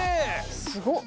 すごっ！